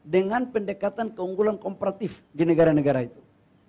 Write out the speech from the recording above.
dengan pendekatan keunggulan komparatif di negara negara itu